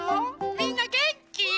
みんなげんき？